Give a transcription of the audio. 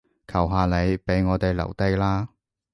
求下你，畀我哋留低啦